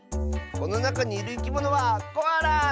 このなかにいるいきものはコアラ！